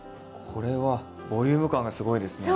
これはボリューム感がすごいですね。